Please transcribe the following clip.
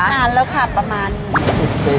นานแล้วค่ะประมาณ๑๐ปี